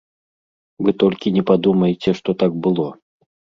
Вы толькі не падумайце, што так было.